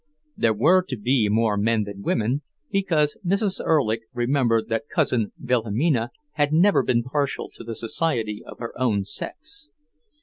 There were to be more men than women, because Mrs. Erlich remembered that cousin Wilhelmina had never been partial to the society of her own sex.